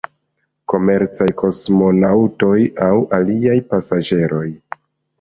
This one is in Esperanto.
Komercaj kosmonaŭtoj aŭ aliaj "pasaĝeroj".